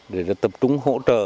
để tập trung hỗ trợ